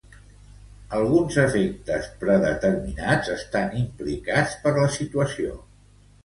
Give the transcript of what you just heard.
Alguns efectes predeterminats estan implicats per la situació.